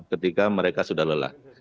ketika mereka sudah lelah